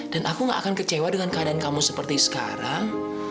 dan aku gak akan kecewa dengan keadaan kamu seperti sekarang